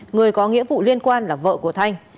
người có nghĩa vụ liên quan là vợ của thanh